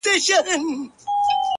قربانو زړه مـي خپه دى دا څو عمـر;